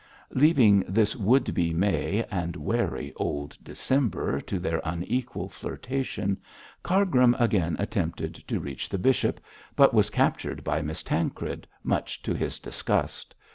Leaving this would be May and wary old December to their unequal flirtation, Cargrim again attempted to reach the bishop, but was captured by Miss Tancred, much to his disgust.